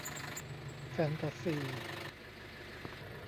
แฟนตาซี